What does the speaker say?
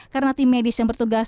karena tim medis yang bertugas